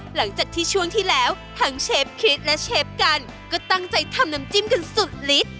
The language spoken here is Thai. หลังจากที่ช่วงที่แล้วทั้งเชฟคริสและเชฟกันก็ตั้งใจทำน้ำจิ้มกันสุดลิด